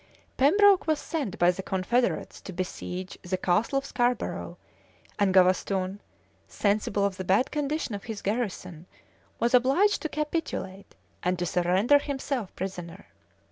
Pembroke was sent by the confederates to besiege the Castle of Scarborough, and Gavaston, sensible of the bad condition of his garrison, was obliged to capitulate, and to surrender himself prisoner.